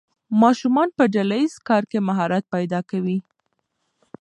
ماشومان په ډله ییز کار کې مهارت پیدا کوي.